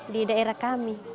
di daerah kami